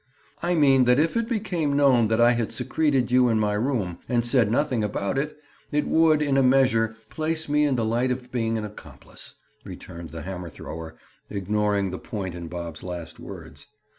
"I mean that if it became known that I had secreted you in my room and said nothing about it, it would, in a measure, place me in the light of being an accomplice," returned the hammer thrower, ignoring the point in Bob's last words.